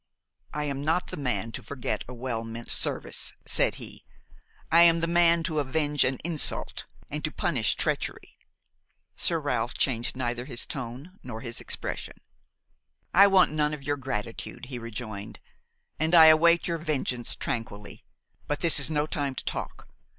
"I am not the man to forget a well meant service," said he; "I am the man to avenge an insult and to punish treachery." Sir Ralph changed neither his tone nor his expression. "I want none of your gratitude," he rejoined, "and I await your vengeance tranquilly; but this is no time to talk.